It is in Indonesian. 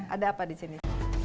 ada apa disini